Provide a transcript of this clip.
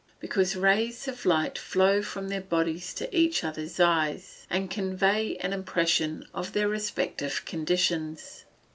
_ Because rays of light flow from their bodies to each other's eyes, and convey an impression of their respective conditions.